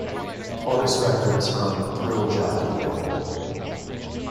Tortoise records on the Thrill Jockey label.